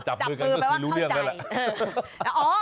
จับมือก็ไม่รู้เรื่องนั่นแหละ